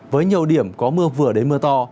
với nhiều điểm có mưa vừa đến mưa to